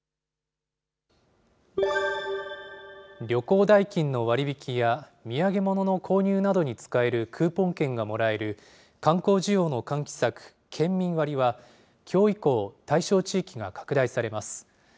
旅行代金の割引や、土産物の購入などに使えるクーポン券がもらえる、観光需要の喚起策、県民割は、きょう以降、対象地域が拡大されます。